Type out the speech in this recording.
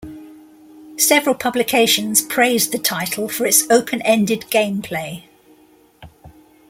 Several publications praised the title for its open-ended gameplay.